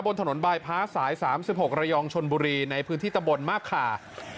บนถนนบายพ้าสาย๓๖ระยองชนบุรีในพื้นที่ตะบนมาบขา